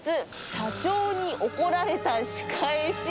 社長に怒られた仕返し。